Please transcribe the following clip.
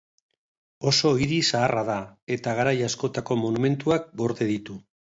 Oso hiri zaharra da, eta garai askotako monumentuak gorde ditu.